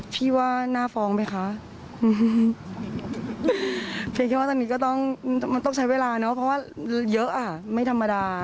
พี่ว่าน่าฟ้องไหมคะเพียงแค่ว่าตอนนี้ก็ต้องมันต้องใช้เวลาเนอะเพราะว่าเยอะอ่ะไม่ธรรมดา